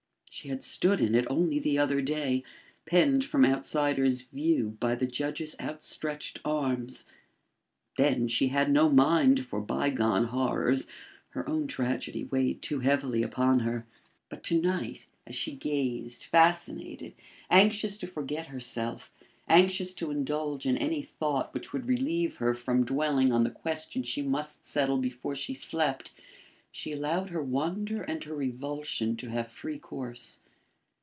She had stood in it only the other day, penned from outsiders' view by the judge's outstretched arms. Then, she had no mind for bygone horrors, her own tragedy weighed too heavily upon her; but to night, as she gazed, fascinated, anxious to forget herself, anxious to indulge in any thought which would relieve her from dwelling on the question she must settle before she slept, she allowed her wonder and her revulsion to have free course.